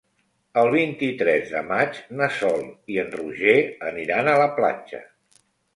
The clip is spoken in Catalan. El vint-i-tres de maig na Sol i en Roger aniran a la platja.